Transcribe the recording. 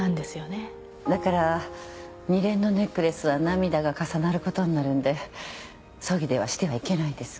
だから二連のネックレスは涙が重なることになるんで葬儀ではしてはいけないんです。